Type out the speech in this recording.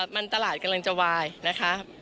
มันตลาดกำลังจะวายนะคะ